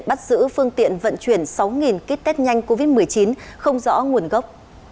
bắt giữ phương tiện vận chuyển sáu kit test nhanh covid một mươi chín không rõ nguồn gốc